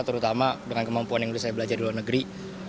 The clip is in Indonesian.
terutama dengan kemampuan yang dulu saya belajar di luar negeri